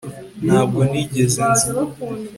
ntabwo nigeze nza